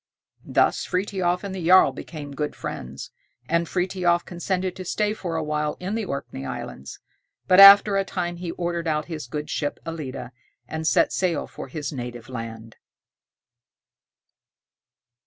Thus Frithiof and the jarl became good friends, and Frithiof consented to stay for a while in the Orkney Islands; but after a time he ordered out his good ship "Ellide," and set sail for his native land.